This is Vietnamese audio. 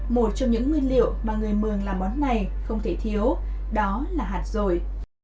một trong những nguyên liệu mà người mường làm món này không thể thiếu đó là hạt rồi